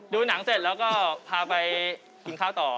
ดูหนังเสร็จแล้วก็พาไปกินข้าวต่อ